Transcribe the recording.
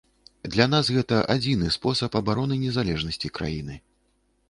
Для нас гэта адзіны спосаб абароны незалежнасці краіны.